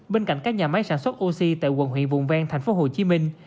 bên cạnh các nhà máy sản xuất oxy tại quận huyện vùng ven thành phố hồ chí minh